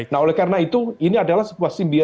nah oleh karena itu ini adalah sebuah nama yang cukup kuat